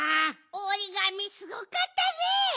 おりがみすごかったね！